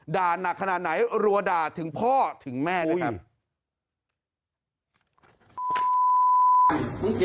หนักขนาดไหนรัวด่าถึงพ่อถึงแม่ด้วยครับ